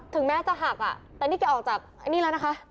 แม้จะหักอ่ะแต่นี่แกออกจากไอ้นี่แล้วนะคะ